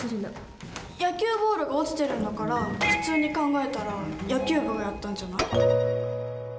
野球ボールが落ちてるんだから普通に考えたら野球部がやったんじゃない？